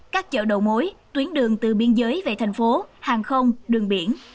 các chợ đầu mối tuyến đường từ biên giới về thành phố hàng không đường biển